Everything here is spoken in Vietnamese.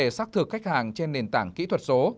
vấn đề xác thực khách hàng trên nền tảng kỹ thuật số